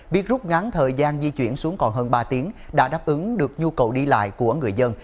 việc rút ngắn thời gian di chuyển xuống còn hơn ba tiếng đã đáp ứng được nhu cầu đi lại của người dân